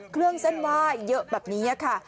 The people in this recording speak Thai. เครื่องเส้นไหว้เยอะแบบนี้ค่ะ